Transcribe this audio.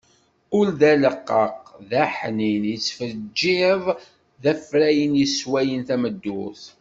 Ul d aleqqaq,d aḥnin, yettfeggiḍ d afrayen yeswayen tameddurt.